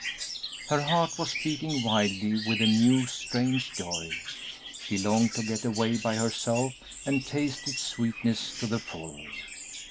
Her heart was beating wildly with a new, strange joy; she longed to get away by herself and taste its sweetness to the full.